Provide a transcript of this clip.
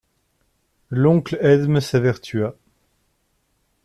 L'oncle Edme s'évertua.